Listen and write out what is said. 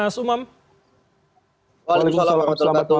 waalaikumsalam selamat datang selamat malam mas ram mas umam